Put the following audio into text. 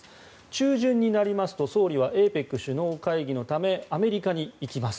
中旬になりますと総理はＡＰＥＣ首脳会議のためアメリカに行きます。